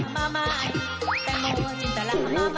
มาอย่างนั้น